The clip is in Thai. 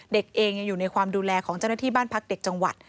เด็กเองยังอยู่ในความดูแลของเจ้าหน้าที่บ้านพักเด็กจังหวัด